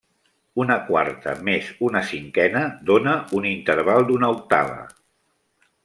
Una quarta més una cinquena dóna un interval d'una octava.